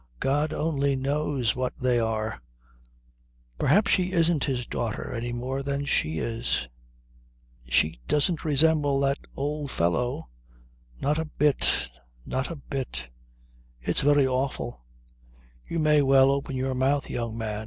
God only knows what they are perhaps she isn't his daughter any more than she is ... She doesn't resemble that old fellow. Not a bit. Not a bit. It's very awful. You may well open your mouth, young man.